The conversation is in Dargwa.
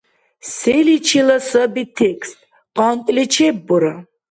Селичила саби текст? КъантӀли чеббура